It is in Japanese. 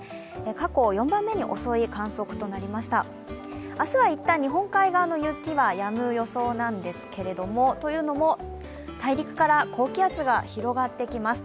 過去４番目に遅い観測となりました明日は一旦、日本海側の雪はやむ予想なんですけれども、というのも大陸から高気圧が広がってきます。